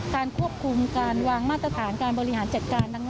การควบคุมการวางมาตรฐานการบริหารจัดการ